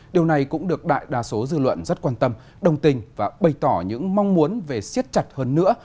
điều này cũng được đại đa số dư luận rất quan tâm đồng tình và bày tỏ những mong muốn về siết chặt hơn nữa